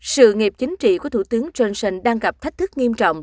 sự nghiệp chính trị của thủ tướng johnson đang gặp thách thức nghiêm trọng